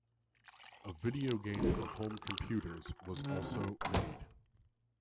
A video game for home computers was also made.